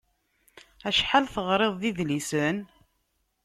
Acḥal teɣriḍ d idlisen?